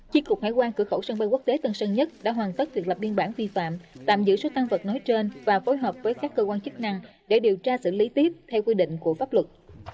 chi cục hải quan cửa khẩu sân bay quốc tế tân sơn nhất đã hoàn tất việc lập biên bản vi phạm tạm giữ số tăng vật nói trên và phối hợp với các cơ quan chức năng để điều tra xử lý tiếp theo quy định của pháp luật